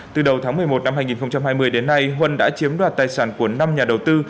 từ đầu tháng một mươi một năm hai nghìn hai mươi đến nay huân đã chiếm đoạt tài sản của năm nhà đầu tư